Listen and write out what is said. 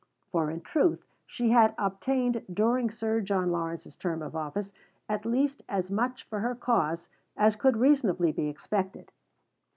For, in truth, she had obtained during Sir John Lawrence's term of office at least as much for her cause as could reasonably be expected.